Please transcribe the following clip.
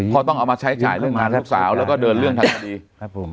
ต้องเอามาใช้จ่ายเรื่องงานลูกสาวแล้วก็เดินเรื่องทางคดีครับผม